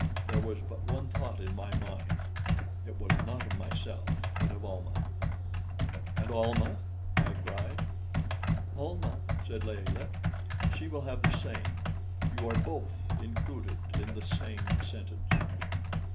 There was but one thought in my mind it was not of myself, but of Almah. "And Almah?" I cried. "Almah," said Layelah "she will have the same; you are both included in the same sentence."